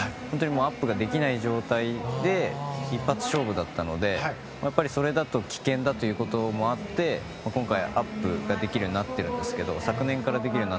アップができない状況で一発勝負だったのでそれだと危険だということもあって昨年からアップができるようになったんですけど